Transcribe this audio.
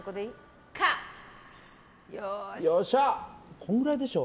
このくらいでしょ。